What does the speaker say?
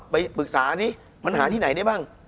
ไปปรึกษานี่มันหาที่ไหนได้บ้าง